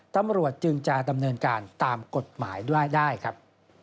ตำรวจจึงจะดำเนินการตามกฎหมายด้วยได้ครับ